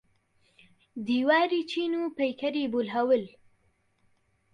دیواری چین و پەیکەری بولهەول.